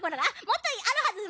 もっとあるはず。